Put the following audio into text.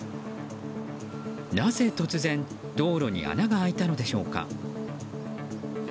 なぜ突然道路に穴が開いたのでしょうか。